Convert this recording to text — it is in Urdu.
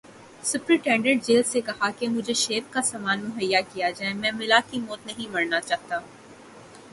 سپرنٹنڈنٹ جیل سے کہا کہ مجھے شیو کا سامان مہیا کیا جائے، میں ملا کی موت نہیں مرنا چاہتا۔